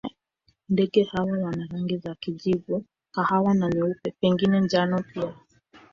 Ndege hawa wana rangi za kijivu, kahawa na nyeupe, pengine njano pia.